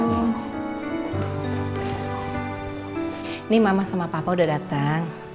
ini mama sama papa udah datang